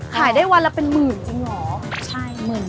ขายได้วันละเป็นหมื่นจริงเหรอ